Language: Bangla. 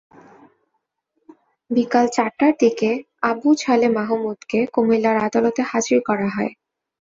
বিকেল চারটার দিকে আবু ছালেহ মাহমুদকে কুমিল্লার আদালতে হাজির করা হয়।